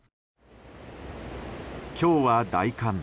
今日は、大寒。